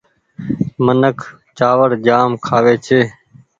منک چآوڙ جآم کآوي ڇي ۔